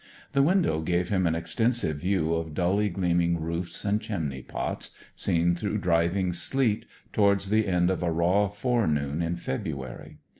The window gave him an extensive view of dully gleaming roofs and chimney pots, seen through driving sleet, towards the end of a raw forenoon in February.